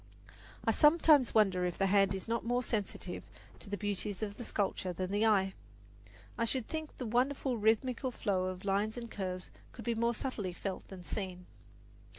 I sometimes wonder if the hand is not more sensitive to the beauties of sculpture than the eye. I should think the wonderful rhythmical flow of lines and curves could be more subtly felt than seen.